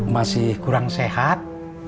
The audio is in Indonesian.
masih kurang sehat